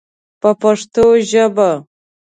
په پښتو ژبه.